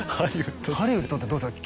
ハリウッドってどうですか？